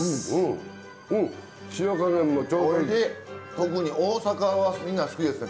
特に大阪はみんな好きですね